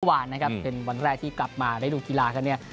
วันนะครับเป็นวันแรกที่กลับมาได้ดูกีฬากันเนี่ย